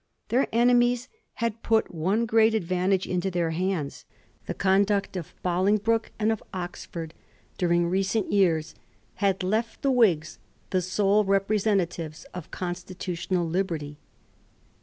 Their enemies had put one great advantage into their hands. The conduct of Bolingbroke and of Oxford during recent years had left the Whigs the sole representa tives of constitutional liberty.